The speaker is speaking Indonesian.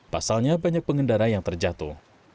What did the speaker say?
pasalnya banyak pengendara yang terjatuh